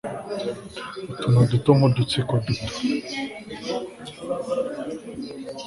utuntu duto nk'udutsiko duto